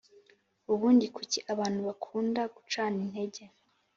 ubundi kuki abantu bakunda gucana intege